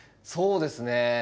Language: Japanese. そうですね。